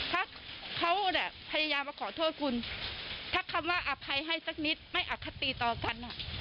ถ้าเขาเนี่ยพยายามมาขอโทษคุณถ้าคำว่าอภัยให้สักนิดไม่อคติต่อกัน